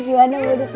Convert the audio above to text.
gimana mau dipikir